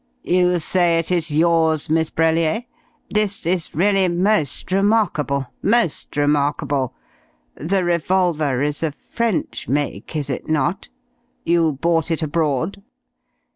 "You say it is yours, Miss Brellier? This this is really most remarkable most remarkable! The revolver is of French make, is it not? You bought it abroad?"